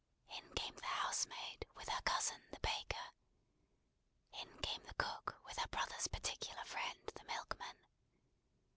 In came the housemaid, with her cousin, the baker. In came the cook, with her brother's particular friend, the milkman.